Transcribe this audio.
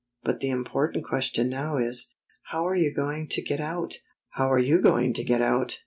But the im portant question now is, How are you going to get out? " "How are you going to get out?"